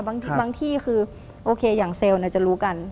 บางที่คือโอเคอย่างเซลล์จะรู้กัน